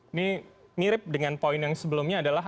ini mirip dengan poin yang sebelumnya adalah